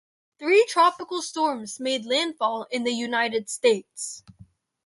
Three tropical storms made landfall in the United States.